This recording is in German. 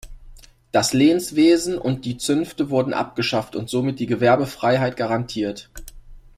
Das Lehnswesen und die Zünfte wurden abgeschafft und somit die Gewerbefreiheit garantiert.